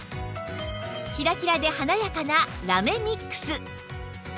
キラキラで華やかなラメミックス